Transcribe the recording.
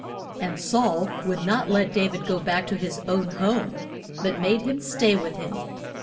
And Saul would not let Da vid go back to his own home, but made him stay with him.